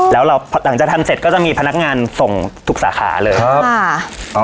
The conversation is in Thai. แล้วเราหลังจากทำเสร็จก็จะมีพนักงานส่งทุกสาขาเลยครับ